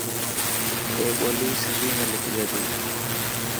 اي ٻولي سنڌي ۾ لکجي تي.